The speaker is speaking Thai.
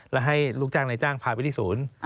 และให้ลูกจ้างในจ้างพาไปที่ศูนย์